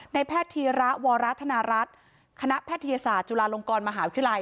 แพทย์ธีระวรธนรัฐคณะแพทยศาสตร์จุฬาลงกรมหาวิทยาลัย